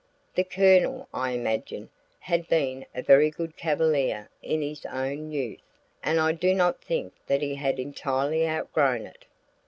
The Colonel, I imagine, had been a very good cavalier in his own youth, and I do not think that he had entirely outgrown it.